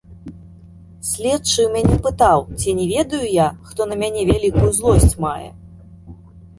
Следчы ў мяне пытаў, ці не ведаю я, хто на мяне вялікую злосць мае.